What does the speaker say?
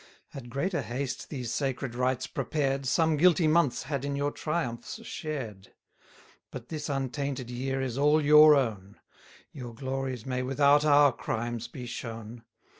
Had greater haste these sacred rites prepared, Some guilty months had in your triumphs shared: But this untainted year is all your own; Your glories may without our crimes be shown.